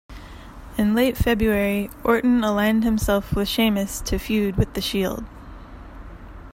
In late February, Orton aligned himself with Sheamus to feud with the Shield.